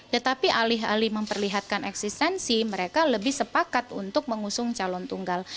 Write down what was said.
tetapi alih alih memperlihatkan eksistensi mereka lebih sepakat untuk mengusung calon tunggal